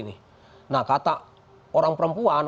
nah kata orang perempuan